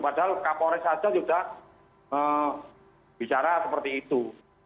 padahal kapolres saja sudah bicara seperti itu